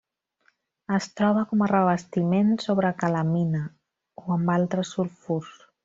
Es troba com a revestiment sobre calamina, o amb altres sulfurs.